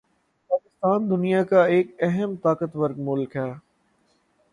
پاکستان دنیا کا ایک اہم طاقتور ملک ہے